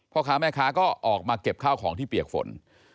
พ่อค้าแม่ค้าก็ออกมาเก็บข้าวของที่เปียกฝน